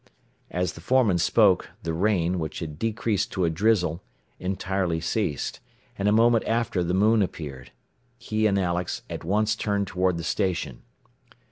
As the foreman spoke, the rain, which had decreased to a drizzle, entirely ceased, and a moment after the moon appeared. He and Alex at once turned toward the station.